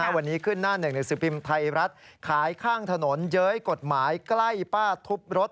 วันนี้ขึ้นหน้าหนึ่งหนังสือพิมพ์ไทยรัฐขายข้างถนนเย้ยกฎหมายใกล้ป้าทุบรถ